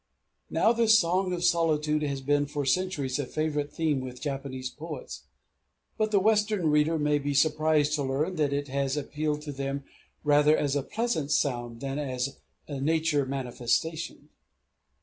Now this song of solitude has been for centuries a favorite theme with Japanese poets; but the Western reader may be surprised to learn that it has appealed to them rather as a pleasant sound than as a nature manifestation.